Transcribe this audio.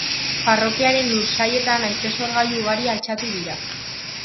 Parrokiaren lursailetan haize-sorgailu ugari altxatu dira.